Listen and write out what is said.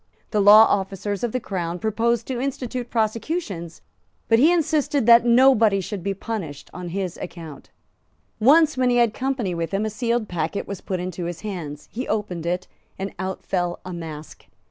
The law officers of the Crown proposed to institute prosecutions; but he insisted that nobody should be punished on his account. Once, when he had company with him, a sealed packet was put into his hands; he opened it; and out fell a mask.